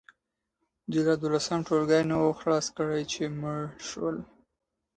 دوی لا دولسم ټولګی نه وو خلاص کړی چې مړه شول.